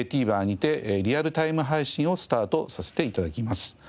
ＴＶｅｒにてリアルタイム配信をスタートさせて頂きます。